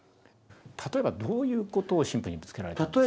例えばどういうことを神父にぶつけられたんですか？